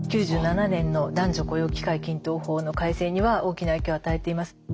９７年の男女雇用機会均等法の改正には大きな影響を与えています。